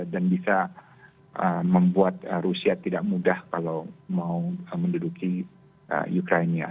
dan bisa membuat rusia tidak mudah kalau mau menduduki ukraina